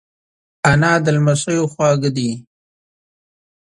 انا د لمسیو خواږه ده